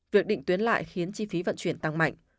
việc định tuyến lại khiến chi phí vận chuyển tăng mạnh